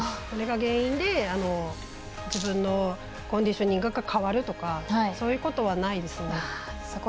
これが原因で自分のコンディショニングが変わるとかそういうことはないですね。